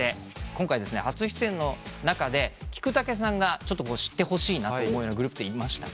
今回初出演の中で菊竹さんが知ってほしいなと思うようなグループっていました？